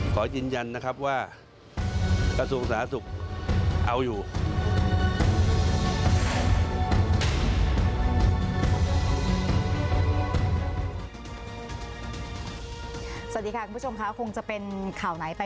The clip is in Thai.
ขอยืนยันนะครับว่ากระทรวงสาธารณสุขเอาอยู่